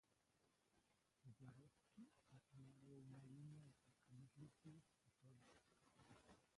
Swarovski ha creado una línea de perfumes líquidos y sólidos.